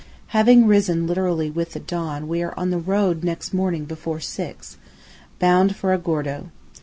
HAVING risen literally with the dawn, we are on the road next morning before six, bound for Agordo.